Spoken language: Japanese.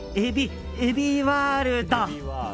エビ・ワールド！